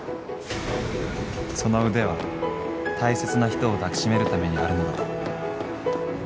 ［その腕は大切な人を抱き締めるためにあるのだと］